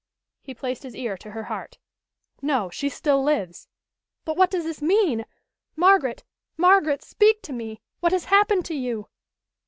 He placed his ear to her heart. "No, she still lives." "But what does this mean? Margaret! Margaret! Speak to me! What has happened to you?"